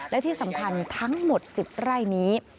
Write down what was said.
และที่สำคัญทั้งหมด๑๐ไร่นี้